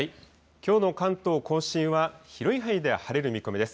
きょうの関東甲信は、広い範囲で晴れる見込みです。